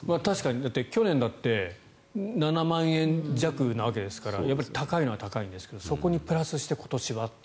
だって、去年だって７万円弱なわけですから高いのは高いんですがそこにプラスして今年はと。